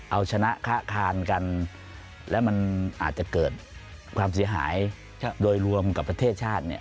เอาชนะค้าคานกันแล้วมันอาจจะเกิดความเสียหายโดยรวมกับประเทศชาติเนี่ย